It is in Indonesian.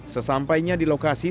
sesampainya di lokasi